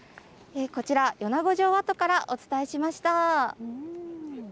こちら、米子城跡からお伝えしました。